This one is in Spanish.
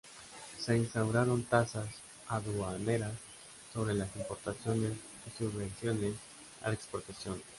Se instauraron tasas aduaneras sobre las importaciones y subvenciones a la exportación.